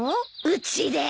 うちで。